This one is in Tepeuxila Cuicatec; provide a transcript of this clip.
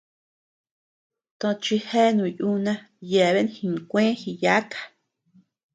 Tochi jeanu yuna yeabean jinkue jiyáka.